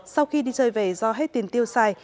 sau khi đi chơi về do hết tiền tiêu xài